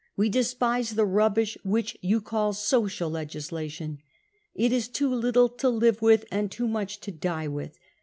We despise the rubbish which you call 4 social legislation.' It is too little to live with and too much to die with. ..